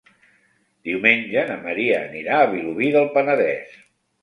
Diumenge na Maria anirà a Vilobí del Penedès.